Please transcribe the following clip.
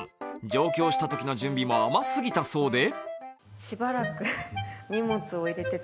上京したときの準備も甘すぎたそうで。